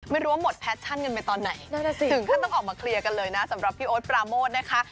ไม่รู้ว่าหมดแพชชั่นกันไปตอนไหนนั่นแหละสิถึงขั้นต้องออกมาเคลียร์กันเลยนะสำหรับพี่โอ๊ตปราโมทนะคะ